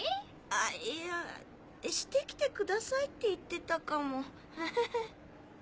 いや「して来てください」って言ってたかもハハハ。